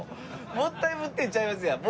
もったいぶってるんちゃいますやん。